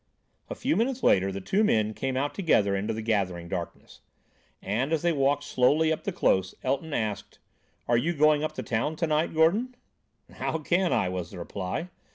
A few minutes later, the two men came out together into the gathering darkness, and as they walked slowly up the close, Elton asked: "Are you going up to town to night, Gordon?" "How can I?" was the reply.